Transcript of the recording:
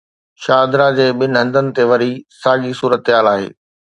شاهدره جي ٻن هنڌن تي وري ساڳي صورتحال آهي.